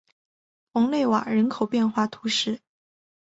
蓬勒瓦人口变化图示